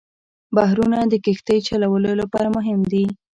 بحرونه د کښتۍ چلولو لپاره مهم دي.